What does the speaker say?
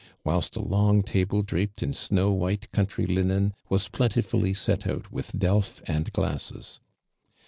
whilst a long table diajied in snow white country linen was plentifully setout with<ielf and glas.ses.